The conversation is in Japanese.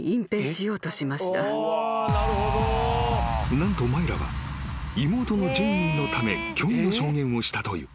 ［何とマイラは妹のジェイミーのため虚偽の証言をしたという。